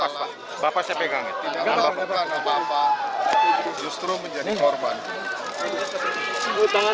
tidak apa apa karena bapak justru menjadi korban